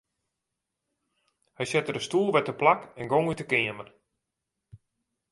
Hy sette de stoel wer teplak en gong út 'e keamer.